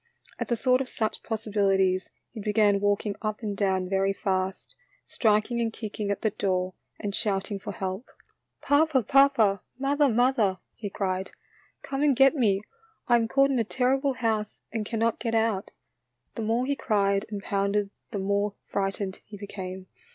At the thought of such possibilities he began walking up and down very fast, strik ing and kicking at the door and shouting for help. "Papa, papa; mother, mother," he cried, " come and get me, I am caught in a terrible house and cannot get out." The more he cried and pounded the more frightened he became.